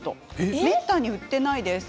めったに売っていないです。